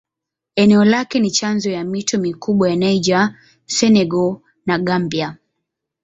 Eneo lake ni chanzo ya mito mikubwa ya Niger, Senegal na Gambia.